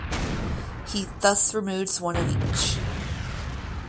He thus removes one of each.